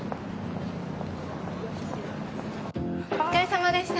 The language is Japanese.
お疲れさまでした。